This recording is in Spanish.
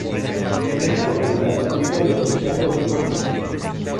En esta localidad se ubica el hospital Domingo Funes.